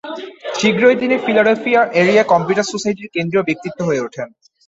শীঘ্রই তিনি Philadelphia area computer সোসাইটির কেন্দ্রীয় ব্যক্তিত্ব হয়ে ওঠেন।